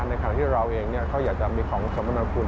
ในขณะที่เราเองก็อยากจะมีของสมนาคุณ